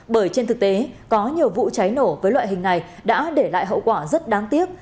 bởi trên thực tế có nhiều vụ cháy nổ với loại hình này đã để lại hậu quả rất đáng tiếc